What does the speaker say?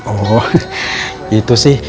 oh itu sih